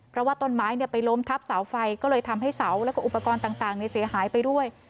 เพราะว่าต้นไม้ไปล้มทับเสาไฟก็เลยทำให้เสาแล้วก็อุปกรณ์ต่างเสียหายไปด้วย